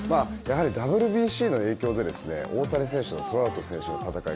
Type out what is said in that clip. ＷＢＣの影響で大谷選手とトラウト選手の戦い